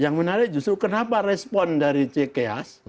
yang menarik justru kenapa respon dari cks